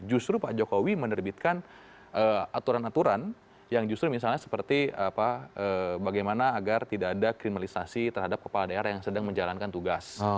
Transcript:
justru pak jokowi menerbitkan aturan aturan yang justru misalnya seperti bagaimana agar tidak ada kriminalisasi terhadap kepala daerah yang sedang menjalankan tugas